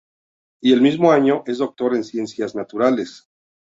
Y el mismo año, es doctor en ciencias naturales.